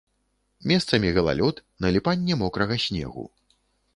Месцамі галалёд, наліпанне мокрага снегу.